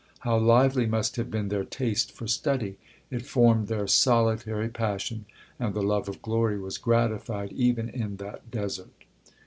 How lively must have been their taste for study! it formed their solitary passion, and the love of glory was gratified even in that desert.